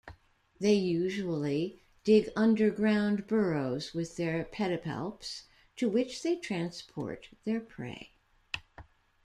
They usually dig underground burrows with their pedipalps, to which they transport their prey.